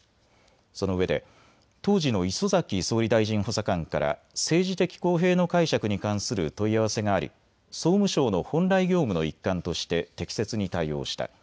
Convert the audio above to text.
そのうえで当時の礒崎総理大臣補佐官から政治的公平の解釈に関する問い合わせがあり総務省の本来業務の一環として適切に対応した。